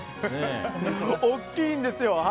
大きいんですよ。